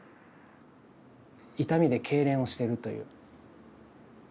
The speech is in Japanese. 痛みでけいれんをしてるという。